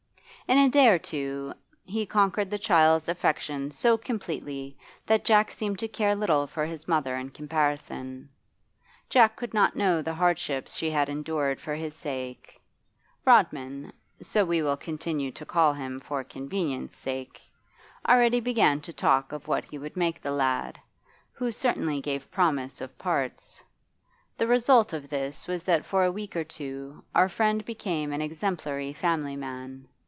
In a day or two be conquered the child's affections so completely that Jack seemed to care little for his mother in comparison; Jack could not know the hardships she had endured for his sake. Rodman so we will continue to call him for convenience' sake already began to talk of what he would make the lad, who certainly gave promise of parts. The result of this was that for a week or two our friend became an exemplary family man.